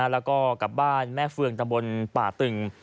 แล้วก็กลับบ้านแม่เฟืองตำบลป่าตึง